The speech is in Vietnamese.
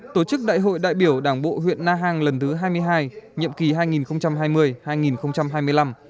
tổ chức đại hội đại biểu đảng bộ huyện na hàng lần thứ hai mươi hai nhiệm kỳ hai nghìn hai mươi hai nghìn hai mươi năm